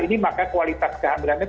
ini maka kualitas kehamilan